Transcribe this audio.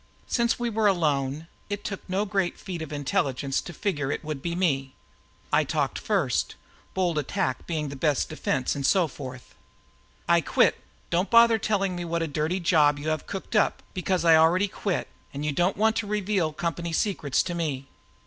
Since we were alone, it took no great feat of intelligence to figure it would be me. I talked first, bold attack being the best defense and so forth. "I quit. Don't bother telling me what dirty job you have cooked up, because I have already quit and you do not want to reveal company secrets to me."